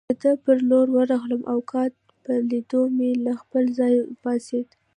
د ده پر لور ورغلم او کانت په لیدو مې له خپل ځای پاڅېد.